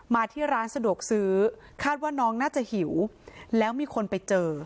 มาที่ร้านสะดวกซื้อคาดว่าน้องน่าจะหิวแล้วมีคนไปเจอ